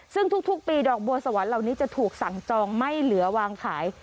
ซึ่งทุกปีดอกบัวสวรรค์เหล่านี้จะถูกสั่งจองไม่เหลือวางขาย